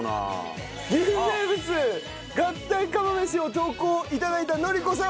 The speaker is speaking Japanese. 岐阜名物合体釜飯を投稿頂いた典子さん